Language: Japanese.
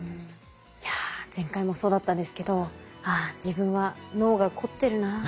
いや前回もそうだったんですけど「ああ自分は脳が凝ってるな」って思いましたね。